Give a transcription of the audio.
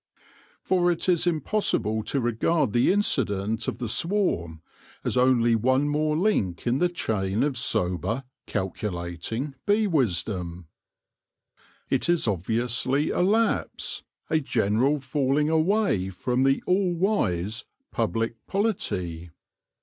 For it is impossible to regard the incident of the swarm as only one more link in the chain of sober, calculating bee wisdom. It is obviously a lapse, a general falling away from the all wise, public polity.